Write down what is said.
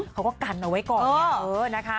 เขาก็กันเอาไว้ก่อนเนี่ย